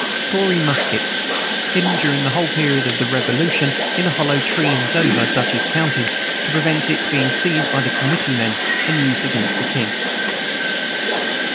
Tory musket, hidden during the whole period of the Revolution, in a hollow tree, in Dover, Dutchess county, to prevent its being seized by the committee men and used against the king.